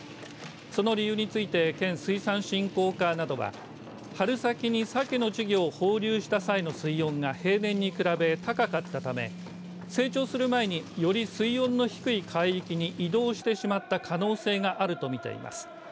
その理由について県水産振興課などは春先にサケの稚魚を放流した際の水温が平年に比べ高かったため成長する前により水温の低い海域に移動してしまった可能性があるとみています。